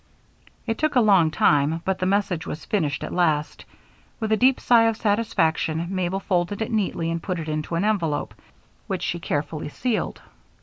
It took a long time, but the message was finished at last. With a deep sigh of satisfaction, Mabel folded it neatly and put it into an envelope which she carefully sealed.